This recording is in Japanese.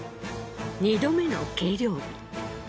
２度目の計量日。